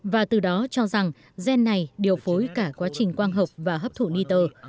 và từ đó cho rằng gen này điều phối cả quá trình quang hợp và hấp thụ niter